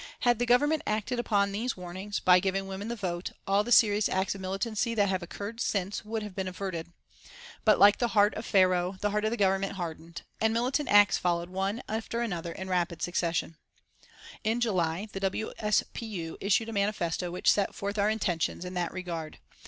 Had the Government acted upon these warnings, by giving women the vote, all the serious acts of militancy that have occurred since would have been averted. But like the heart of Pharaoh, the heart of the Government hardened, and militant acts followed one another in rapid succession. In July the W. S. P. U. issued a manifesto which set forth our intentions in that regard.